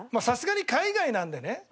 さすがに海外なんでね。